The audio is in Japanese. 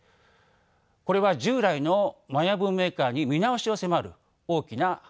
これは従来のマヤ文明観に見直しを迫る大きな発見です。